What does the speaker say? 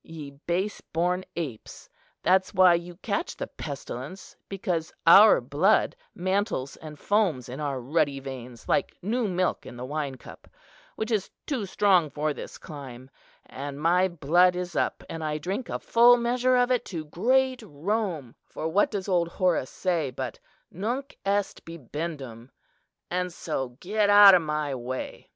Ye base born apes, that's why you catch the pestilence, because our blood mantles and foams in our ruddy veins like new milk in the wine cup, which is too strong for this clime, and my blood is up, and I drink a full measure of it to great Rome; for what does old Horace say, but 'Nunc est bibendum'? and so get out of my way."